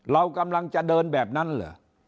เรากำลังจะเดินแบบนั้นเหรอ